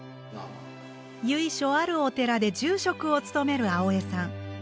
由緒あるお寺で住職を務める青江さん